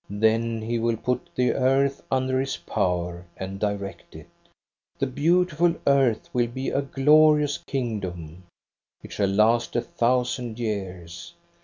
Then he will put the earth under his power and direct it. The beautiful earth will be a glorious kingdom. It shall last a thousand years.